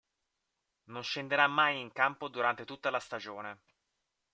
Non scenderà mai in campo durante tutta la stagione.